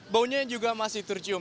baunya juga masih tercium